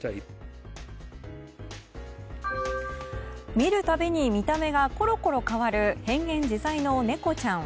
見るたびに見た目がころころ変わる変幻自在の猫ちゃん。